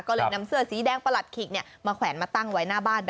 ก็เลยนำเสื้อสีแดงประหลัดขิกมาแขวนมาตั้งไว้หน้าบ้าน